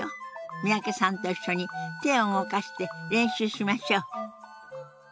三宅さんと一緒に手を動かして練習しましょう。